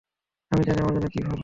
আমি জানি আমার জন্য কি ভাল!